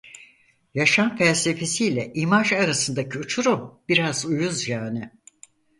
Yaşam felsefesiyle imaj arasındaki uçurum biraz uyuz yani.